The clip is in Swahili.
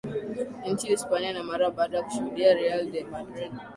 nchi uspania na mara baada kushudia real de maldrid